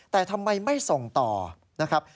แต่ทำไมไม่ส่งต่อนะครับ